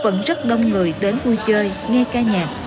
vẫn rất đông người đến vui chơi nghe ca nhạc